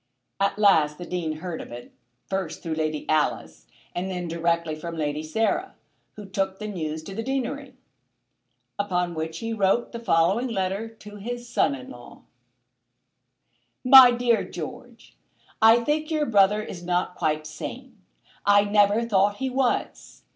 At last the Dean heard of it, first through Lady Alice, and then directly from Lady Sarah, who took the news to the deanery. Upon which he wrote the following letter to his son in law; "MY DEAR GEORGE, I think your brother is not quite sane. I never thought that he was.